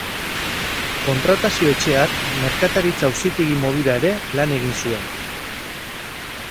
Kontratazio-etxe hark merkataritza-auzitegi moduan ere lan egin zuen.